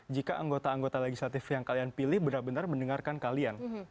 jika anggota anggota legislatif yang kalian pilih benar benar mendengarkan kalian